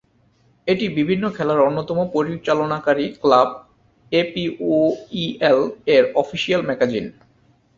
এটি বিভিন্ন খেলার অন্যতম পরিচালনাকারী ক্লাব এপিওইএল-এর অফিশিয়াল ম্যাগাজিন।